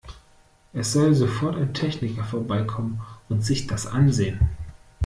Es soll sofort ein Techniker vorbeikommen und sich das ansehen!